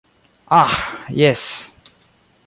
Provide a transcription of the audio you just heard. Aĥ jes.